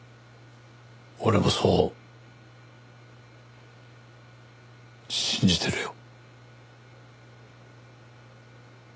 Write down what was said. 俺もそう信じてるよ。